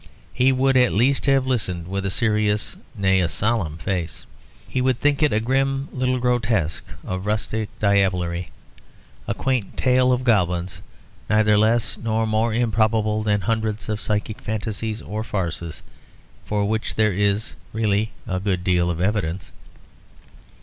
He would at least have listened with a serious, nay, a solemn face. He would think it a grim little grotesque of rustic diablerie, a quaint tale of goblins, neither less nor more improbable than hundreds of psychic fantasies or farces for which there is really a good deal of evidence.